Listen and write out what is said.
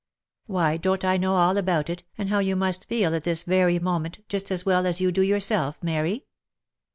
Why, don't I know all about it, and how you must feel at this very moment, just as well as you do yourself, Mary